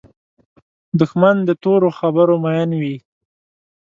دښمن د تورو خبرو مین وي